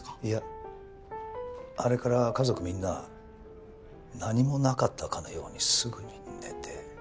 いやあれから家族みんな何もなかったかのようにすぐに寝て。